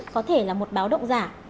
có thể là một báo động giả